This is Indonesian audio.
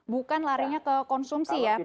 bukan larinya ke konsumsi ya